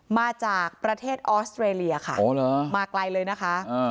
มาจากประเทศออสเตรเลียค่ะมาไกลเลยนะคะ